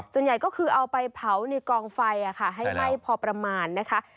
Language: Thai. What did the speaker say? ส่วนใหญ่ก็คือเอาไปเผาในกองไฟให้ไหม้พอประมาณนะคะ